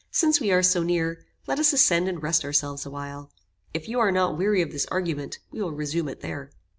Since we are so near, let us ascend and rest ourselves a while. If you are not weary of this argument we will resume it there.'